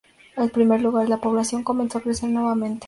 En primer lugar, la población comenzó a crecer nuevamente.